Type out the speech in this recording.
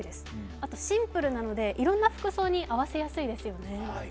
あとシンプルなので、いろんな服装に合わせやすいですよね。